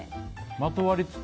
まとわりつく。